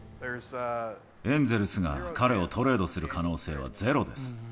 エンゼルスが彼をトレードする可能性はゼロです。